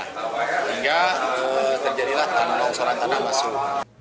hingga terjadilah tanah tanah masuk